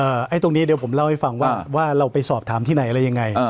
ไอ้ตรงนี้เดี๋ยวผมเล่าให้ฟังว่าว่าเราไปสอบถามที่ไหนอะไรยังไง